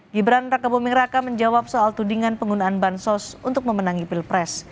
gibran raka buming raka menjawab soal tudingan penggunaan bansos untuk memenangi pilpres